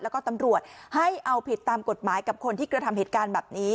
แล้วก็ตำรวจให้เอาผิดตามกฎหมายกับคนที่กระทำเหตุการณ์แบบนี้